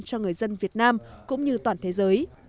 cho người dân việt nam cũng như toàn thế giới